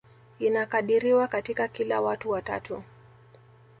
Inakadiriwa katika kila watu watatu